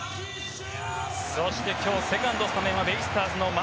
そして今日セカンドのスタメンはベイスターズの牧。